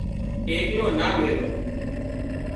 ايڪلو نا ميلو